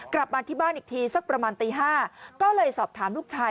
กลับมาที่บ้านอีกทีสักประมาณตี๕ก็เลยสอบถามลูกชาย